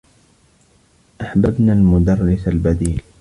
أحببنا المدرّس البديل.